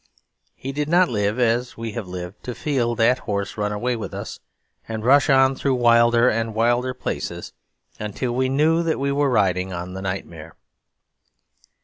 He did not live, as we have lived, to feel that horse run away with us, and rush on through wilder and wilder places, until we knew that we were riding on the nightmare.